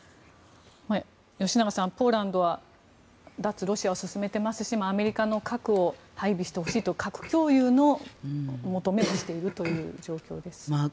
吉永さん、ポーランドは脱ロシアを進めていますしアメリカの核を配備してほしいと核共有の求めをしているという状況です。